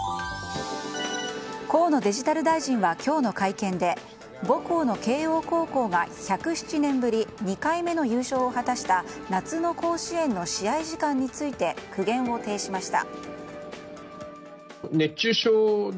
河野デジタル大臣は今日の会見で母校の慶應高校が１０７年ぶり２回目の優勝を果たした夏の甲子園の試合時間について苦言を呈しました。